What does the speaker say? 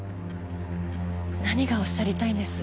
何がおっしゃりたいんです？